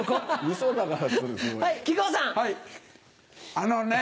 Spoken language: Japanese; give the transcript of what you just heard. あのね